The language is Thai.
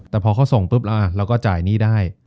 แต่พอเขาส่งปุ๊บเราก็จ่ายหนี้ได้